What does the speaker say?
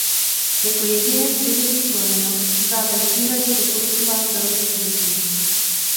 Jako jediné služební plemeno bývá bezvýhradně doporučován do rodin s dětmi.